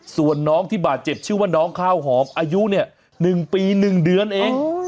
ส่วนน้องที่บาดเจ็บชื่อว่าน้องข้าวหอมอายุเนี่ย๑ปี๑เดือนเอง